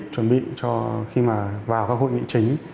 chuẩn bị cho khi mà vào các hội nghị chính